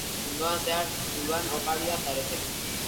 Munduan behar dudan oparia zarete.